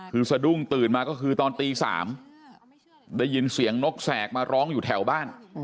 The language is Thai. คือสะดุ้งตื่นมาก็คือตอนตี๓ได้ยินเสียงนกแสกมาร้องอยู่แถวบ้าน